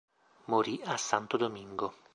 Morì a Santo Domingo.